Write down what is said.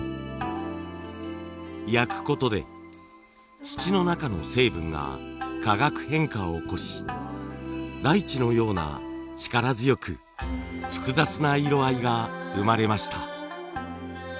焼くことで土の中の成分が化学変化を起こし大地のような力強く複雑な色合いが生まれました。